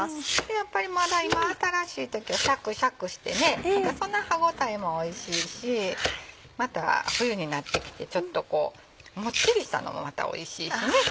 やっぱりまだ今新しい時はシャクシャクしてその歯応えもおいしいしまた冬になってきてちょっとこうもっちりしたのもまたおいしいしね。